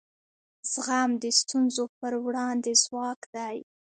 زغم د ستونزو پر وړاندې ځواک دی.